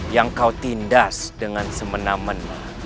yang kau tindas dengan semenaman